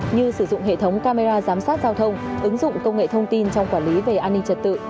như sử dụng hệ thống camera giám sát giao thông ứng dụng công nghệ thông tin trong quản lý về an ninh trật tự